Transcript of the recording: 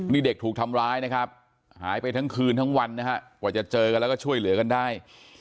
นี่เด็กถูกทำร้ายนะครับหายไปทั้งคืนทั้งวันนะฮะกว่าจะเจอกันแล้วก็ช่วยเหลือกันได้